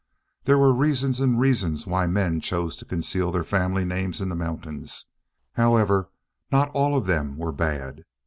There were reasons and reasons why men chose to conceal their family names in the mountains, however, and not all of them were bad.